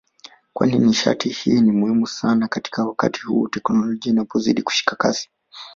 kwani nishati hii ni muhimu sana kwa wakati huu teknolojia inapozidi kushika kasi